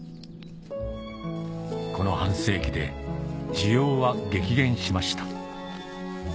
この半世紀で需要は激減しました